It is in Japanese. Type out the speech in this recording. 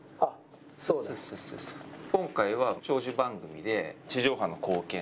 今回は長寿番組で地上波の貢献と。